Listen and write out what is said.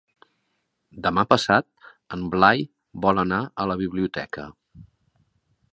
Demà passat en Blai vol anar a la biblioteca.